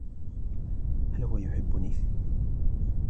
هل هو يحبني ؟